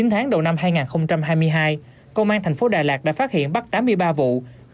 chín tháng đầu năm hai nghìn hai mươi hai công an thành phố đà lạt đã phát hiện bắt tám mươi ba vụ